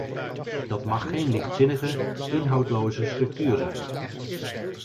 Dat mag geen lichtzinnige, inhoudloze structuur zijn.